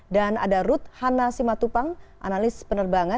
dan ada ruth hanna simatupang analis penerbangan